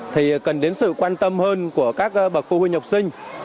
thì cần đến sự quan tâm hơn của các bậc phụ huynh học sinh